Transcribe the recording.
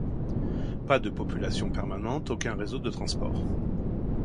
Pas de population permanente, aucun réseau de transport.